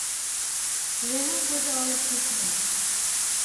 -Теләһәң ҡайҙа алып кит мине.